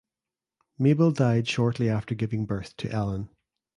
Mabel died shortly after giving birth to Ellen.